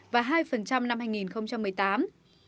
và hai năm năm hai nghìn một mươi tám